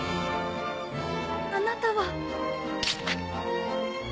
あなたは。